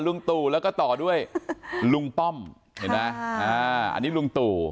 ลุงตู่แล้วก็ต่อด้วยลุงป้อมเห็นไหมอันนี้ลุงตู่